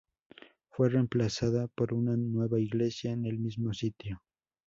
Fue reemplazada por una nueva iglesia en el mismo sitio.